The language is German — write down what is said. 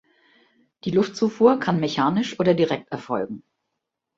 Die Luftzufuhr kann mechanisch oder direkt erfolgen.